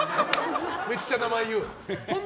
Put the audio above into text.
めっちゃ名前言う！